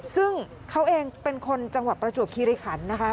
ซึ่งเขาเองเป็นคนจังหวัดประจวบคิริขันนะคะ